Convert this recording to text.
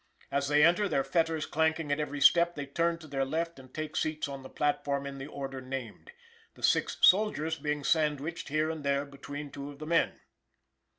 As they enter, their fetters clanking at every step, they turn to their left and take seats on the platform in the order named, the six soldiers being sandwiched here and there between two of the men.